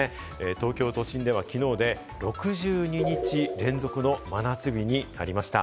東京都心ではきのうで６２日連続の真夏日になりました。